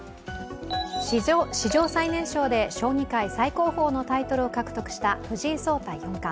史上最年少で将棋界最高峰のタイトルを獲得した藤井聡太四冠。